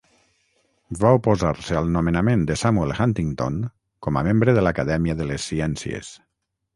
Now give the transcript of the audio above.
Va oposar-se al nomenament de Samuel Huntington com a membre de l'Acadèmia de les Ciències.